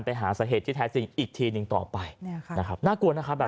ไปหาสาเหตุที่แท้สิ่งอีกทีหนึ่งต่อไปน่ากลัวนะคะแบบนี้